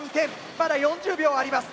まだ４０秒あります。